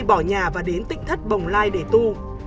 bỏ nhà và đến tỉnh thất bồng lai để tu